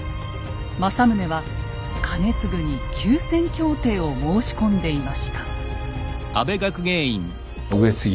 政宗は兼続に休戦協定を申し込んでいました。